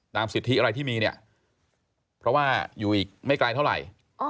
สิทธิอะไรที่มีเนี่ยเพราะว่าอยู่อีกไม่ไกลเท่าไหร่